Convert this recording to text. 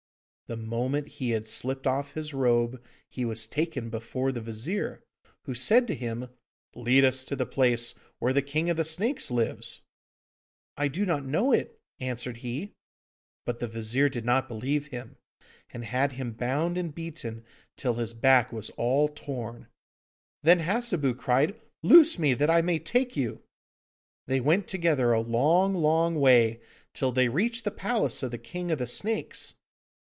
The moment he had slipped off his robe he was taken before the Vizir, who said to him, 'Lead us to the place where the King of the Snakes lives.' 'I do not know it!' answered he, but the Vizir did not believe him, and had him bound and beaten till his back was all torn. Then Hassebu cried, 'Loose me, that I may take you.' They went together a long, long way, till they reached the palace of the King of the Snakes.